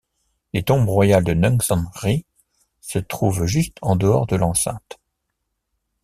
Les tombes royales de Neungsan-ri se trouvent juste en dehors de l'enceinte.